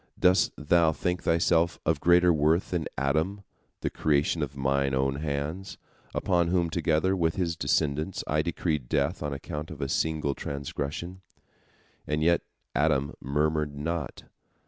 Dost thou think thyself of greater worth than Adam, the creation of Mine own hands, upon whom together with his descendants I decreed death on account of a single transgression? And yet Adam murmured not.